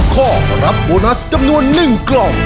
ครอบครัวของแม่ปุ้ยจังหวัดสะแก้วนะครับ